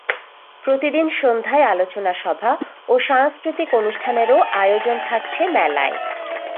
প্রতিদিন সন্ধ্যায় আলোচনা সভা ও সাংস্কৃতিক অনুষ্ঠানেরও আয়োজন থাকছে মেলায়।